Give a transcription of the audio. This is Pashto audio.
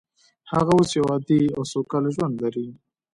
هغه اوس یو عادي او سوکاله ژوند لري